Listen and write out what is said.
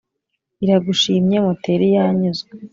iragushimye muteri yanyuzwe,